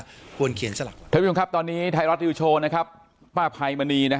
ว่าควรเขียนสลักครับตอนนี้ไทยรอตรียูโชว์นะครับป้าไพมณี